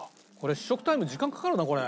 試食タイム時間かかるなこれ。